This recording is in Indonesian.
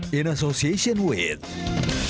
di video selanjutnya